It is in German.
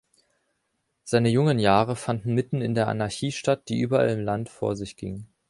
Seine jungen Jahre fanden mitten in der Anarchie statt, die überall im Land vor sich ging.